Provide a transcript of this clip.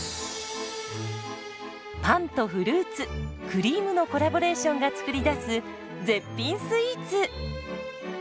パンとフルーツクリームのコラボレーションが作り出す絶品スイーツ。